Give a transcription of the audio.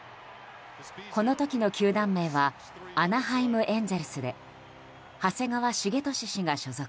この時の球団名はアナハイム・エンゼルスで長谷川滋利氏が所属。